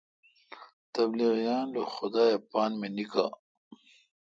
تبلیغیان لو خدا اے پان مے°نیکا۔